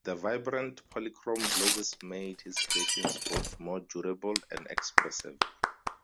The vibrant, polychrome glazes made his creations both more durable and expressive.